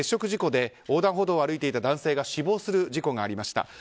事故で横断歩道を歩いていた男性が死亡する事故がありました。